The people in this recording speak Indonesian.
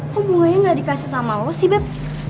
kok bunganya gak dikasih sama lo sih beb